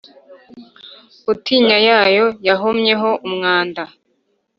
Ingutiya yayo yahomyeho umwanda,